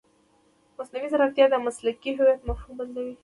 مصنوعي ځیرکتیا د مسلکي هویت مفهوم بدلوي.